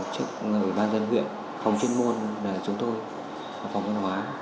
trước người ban dân huyện phòng chuyên môn là chúng tôi phòng văn hóa